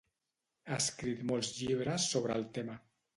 Ha escrit molts llibres sobre el tema.